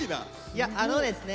いやあのですね